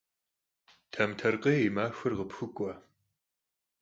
Tamtarkhêy yi maxuer khıpxuk'ue.